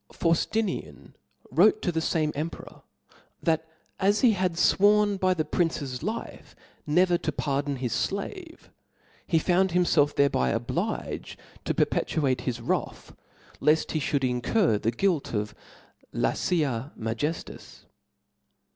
V Fauftinian wrote to the fanrae emperor, that as he had fworn by the prince's life never to pardon his flave, he found himfelf thereby obliged to per petuate his wrath, left he Ihould incur the guilt of lafa Majejias.